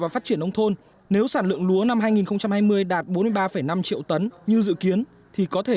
và phát triển nông thôn nếu sản lượng lúa năm hai nghìn hai mươi đạt bốn mươi ba năm triệu tấn như dự kiến thì có thể